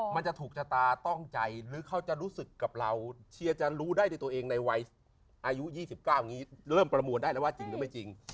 มันจะถูกชะตาต้องใจหรือเขาจะรู้สึกกับเราเชียร์จะรู้ได้ในตัวเองในวัยอายุ๒๙อย่างนี้เริ่มประมวลได้แล้วว่าจริงหรือไม่จริง